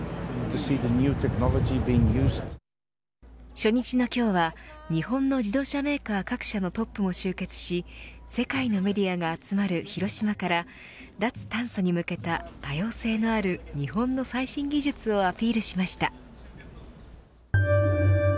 初日の今日は日本の自動車メーカー各社のトップも集結し世界のメディアが集まる広島から脱炭素に向けた多様性のある日本の最新技術をアピールしました。